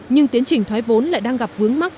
nhưng tiến trình thoái vốn lại đang gặp vướng mắt